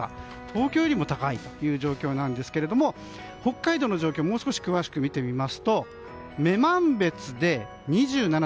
東京よりも高いという状況なんですけれども北海道の状況をもう少し詳しく見てみますと女満別で２７．４度。